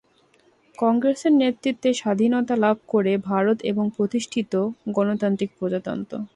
কংগ্রেসের নেতৃত্বে স্বাধীনতা লাভ করে ভারত এবং প্রতিষ্ঠিত হয় গণতান্ত্রিক প্রজাতন্ত্র।